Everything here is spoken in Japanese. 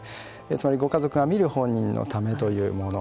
つまりご家族が見る本人のためというもの